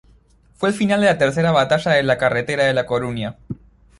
Fue el final de la Tercera batalla de la carretera de La Coruña.